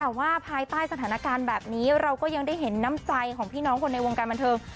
แต่ว่าภายใต้สถานการณ์แบบนี้เราก็ยังได้เห็นน้ำใจของพี่น้องคนในวงการบันเทิง